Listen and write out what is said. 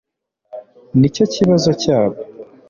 nicyo kibazo cyabo